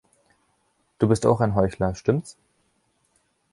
Du bist auch ein Heuchler, stimmt‘s?